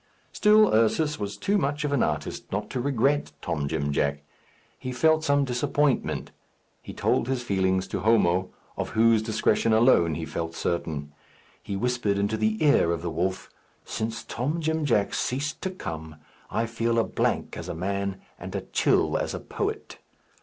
Still Ursus was too much of an artist not to regret Tom Jim Jack. He felt some disappointment. He told his feeling to Homo, of whose discretion alone he felt certain. He whispered into the ear of the wolf, "Since Tom Jim Jack ceased to come, I feel a blank as a man, and a chill as a poet."